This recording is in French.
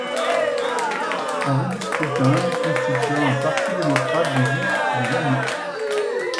En vue du scrutin, il constitua un Parti démocrate des Îles des Amis.